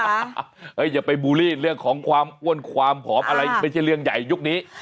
อย่าไปบูลลี่เรื่องของความอ้วนความผอมอะไรไม่ใช่เรื่องใหญ่ยุคนี้